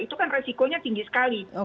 itu kan resikonya tinggi sekali